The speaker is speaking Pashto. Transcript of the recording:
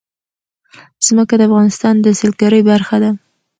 ځمکه د افغانستان د سیلګرۍ برخه ده.